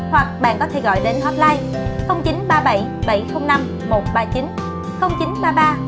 hoặc bạn có thể gọi đến hotline